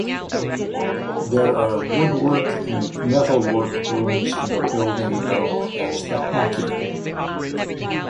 There are woodwork and metalwork rooms in a building known as "the Hackey".